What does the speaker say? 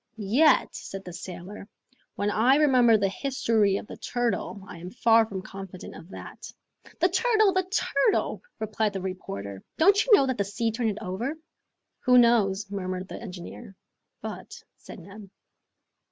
"Yet," said the sailor, "when I remember the history of the turtle, I am far from confident of that." "The turtle! the turtle!" replied the reporter. "Don't you know that the sea turned it over?" "Who knows?" murmured the engineer. "But, " said Neb.